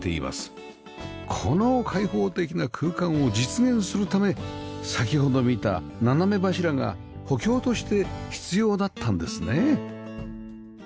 この開放的な空間を実現するため先ほど見た斜め柱が補強として必要だったんですね